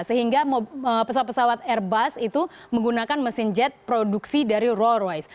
sehingga pesawat pesawat airbus itu menggunakan mesin jet produksi dari roll royce